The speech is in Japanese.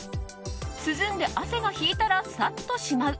涼んで汗が引いたらサッとしまう。